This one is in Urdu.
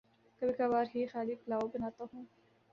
کبھی کبھار ہی خیالی پلاو بناتا ہوں